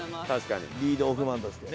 リードオフマンとしてね。